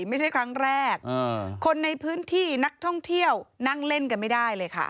ไม่ใช่ครั้งแรกคนในพื้นที่นักท่องเที่ยวนั่งเล่นกันไม่ได้เลยค่ะ